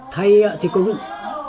thầy thì cũng